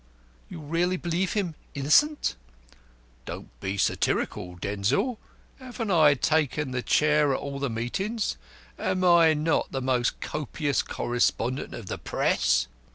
"You really believe him innocent?" "Don't be satirical, Denzil. Haven't I taken the chair at all the meetings? Am I not the most copious correspondent of the Press?"